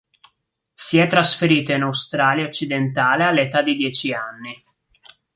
Si è trasferito in Australia Occidentale all'età di dieci anni.